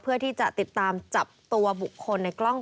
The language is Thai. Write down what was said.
เพื่อที่จะติดตามจับตัวบุคคลในกล้อง